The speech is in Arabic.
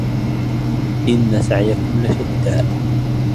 إن سعيكم لشتى